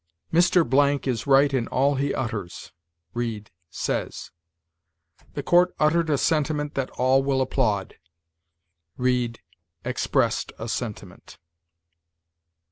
"Mr. Blank is right in all he utters": read, says. "The court uttered a sentiment that all will applaud": read, expressed a sentiment.